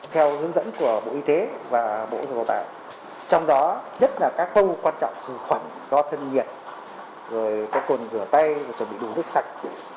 theo hướng dẫn của bộ y tế và bộ dịch vụ tạp trong đó nhất là các công quan trọng khử khuẩn do thân nhiệt rồi có quần rửa tay chuẩn bị đủ nước sạch